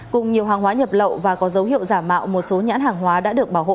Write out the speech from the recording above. cùng nhiều hàng hóa nhập lậu và có dấu hiệu giả mạo một số nhãn hàng hóa đã được bảo hộ